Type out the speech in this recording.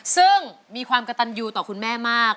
ซึ่งมีความกระตันยูต่อคุณแม่มาก